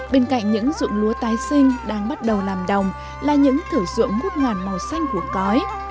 bên cạnh những dụng lúa tái sinh đang bắt đầu làm đồng là những thử dụng ngút ngàn màu xanh của cói